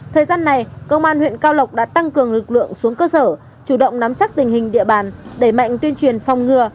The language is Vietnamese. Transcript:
thời gian này công an huyện cao lộc đã tăng cường lực lượng xuống cơ sở chủ động nắm chắc tình hình địa bàn đẩy mạnh tuyên truyền phòng ngừa